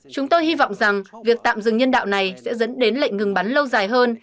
chúng tôi hy vọng rằng việc tạm dừng nhân đạo này sẽ dẫn đến lệnh ngừng bắn lâu dài hơn